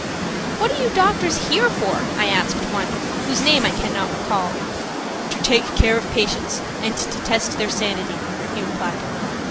"What are you doctors here for?" I asked one, whose name I cannot recall. "To take care of the patients and test their sanity," he replied.